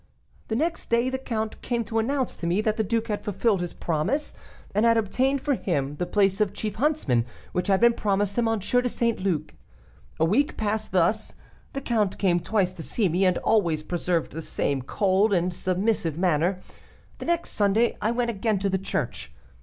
"The next day the count came to announce to me that the duke had fulfilled his promise, and had obtained for him the place of chief huntsman, which had been promised to M. de St. Luc. A week passed thus: the count came twice to see me, and always preserved the same cold and submissive manner. The next Sunday I went again to the church.